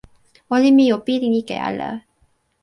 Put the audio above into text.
olin mi o pilin ike ala.